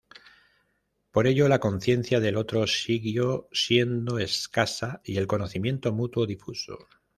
Por ello, la conciencia del otro siguió siendo escasa y el conocimiento mutuo, difuso.